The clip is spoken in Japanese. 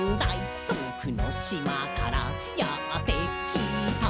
「遠くの島からやってきた」